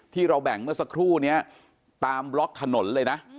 ที่เราแบ่งเมื่อสักครู่นี้ตามบล็อกถนนเลยนะ